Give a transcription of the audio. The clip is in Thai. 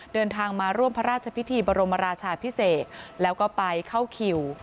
เดินทางมาร่วมพระราชพิธีบรมราชาพิเศษแล้วก็ไปเข้าคิว